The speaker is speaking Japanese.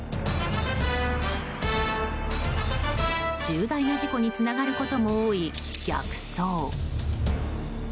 重大な事故につながることも多い逆走。